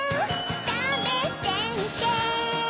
たべてみて